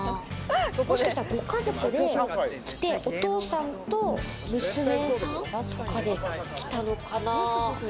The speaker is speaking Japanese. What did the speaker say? もしかしたらご家族で来て、お父さんと娘さんとかで来たのかなぁ？